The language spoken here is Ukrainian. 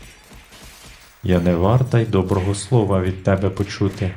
Я не варта й доброго слова від тебе почути.